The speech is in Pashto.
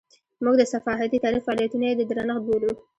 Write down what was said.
موږ د صحافتي تاریخ فعالیتونه یې د درنښت بولو.